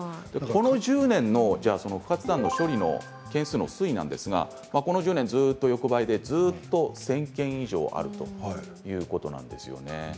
この中での不発弾の処理件数の推移なんですがずっと横ばいでずっと１０００件以上あるということなんですよね。